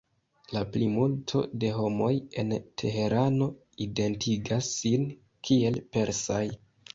La plimulto de homoj en Teherano identigas sin kiel persaj.